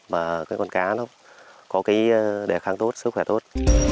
và cái con cá nó có cái đề kháng tốt sức khỏe tốt